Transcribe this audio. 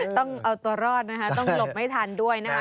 ต้องเอาตัวรอดนะคะต้องหลบไม่ทันด้วยนะคะ